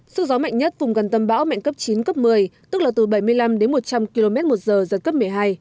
sức gió mạnh nhất vùng gần tâm bão mạnh cấp chín cấp một mươi tức là từ bảy mươi năm đến một trăm linh km một giờ giật cấp một mươi hai